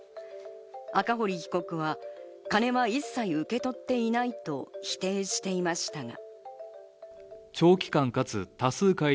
赤堀被告は、金は一切受け取っていないと否定していましたが。